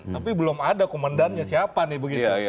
tapi belum ada komandannya siapa nih begitu